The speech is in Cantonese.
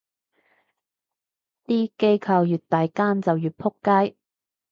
啲機構越大間就越仆街